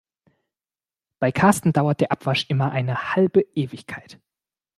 Bei Karsten dauert der Abwasch immer eine halbe Ewigkeit.